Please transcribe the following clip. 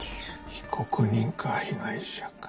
被告人か被害者か。